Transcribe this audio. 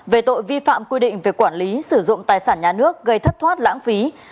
về tội vi phạm quy định về quản lý sử dụng tài sản nhà nước gây thất thoát lãng phí